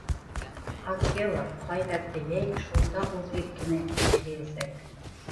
Акела ҡайҙа теләй, шунда үҙ иркенә йәшәйәсәк.